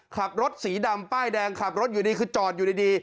ขับรถสีดำป้ายแดงขับรถอยู่ดีคือจอดอยู่ดี